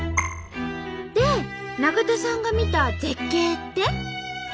で中田さんが見た絶景って？